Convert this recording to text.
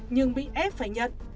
nhưng bị ép phải nhận